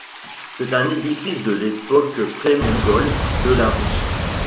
C'est un édifice de l'époque pré-mongole de la Rus'.